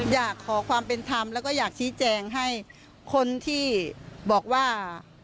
อยากขอความเป็นธรรมแล้วก็อยากชี้แจงให้คนที่บอกว่า